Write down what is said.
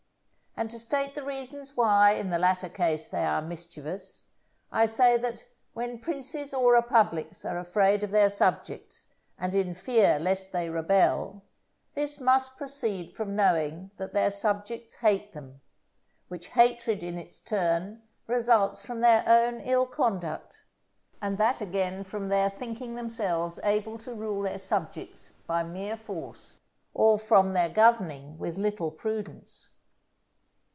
And to state the reasons why in the latter case they are mischievous, I say that when princes or republics are afraid of their subjects and in fear lest they rebel, this must proceed from knowing that their subjects hate them, which hatred in its turn results from their own ill conduct, and that again from their thinking themselves able to rule their subjects by mere force, or from their governing with little prudence.